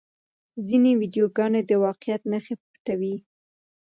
ځینې ویډیوګانې د واقعیت نښې پټوي.